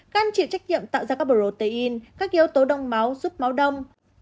can chịu trách nhiệm tạo ra các protein các yếu tố đông máu giúp máu đông